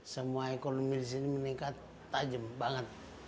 semua ekonomi di sini meningkat tajam banget